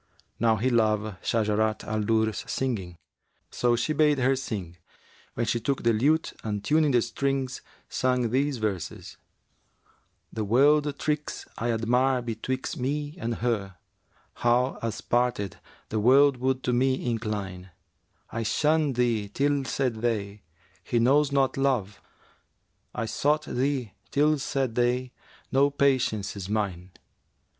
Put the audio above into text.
Now he loved Shajarat al Durr's singing: so he bade her sing, when she took the lute and tuning the strings sang these verses, 'The world tricks I admire betwixt me and her; * How, us parted, the World would to me incline: I shunned thee till said they, 'He knows not Love;' * I sought thee till said they, 'No patience is mine!'